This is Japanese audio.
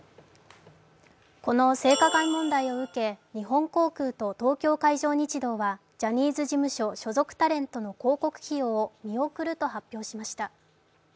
この性加害問題を受け日本航空と東京海上日動はジャニーズ事務所所属タレントの広告起用を見送ると発表しました。